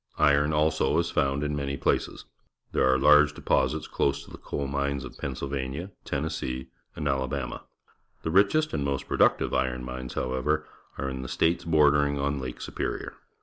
Iron, also, is found in many places. There are large deposits close to the coal mines of Pennsylvania, Tennessee, and Alabama. The richest and most productive iron mines, however, are in the states bordering on Lake Superior.